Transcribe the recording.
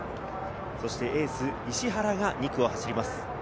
そしてエース・石原が２区を走ります。